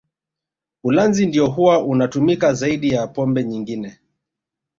Ulanzi ndio huwa unatumika zaidi ya pombe nyingine